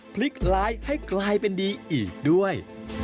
พลิกร้ายให้กลายเป็นดีอีกด้วย